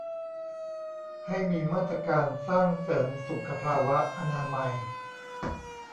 ให้มีมาตรการสร้างเสริมสุขภาวะอนามัย